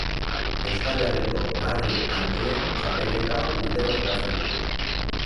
Euskal Herriko Harri Handien Txapelketa urtero jokatzen da.